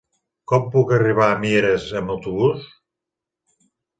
Com puc arribar a Mieres amb autobús?